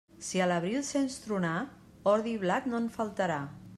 Si a l'abril sents tronar, ordi i blat no en faltarà.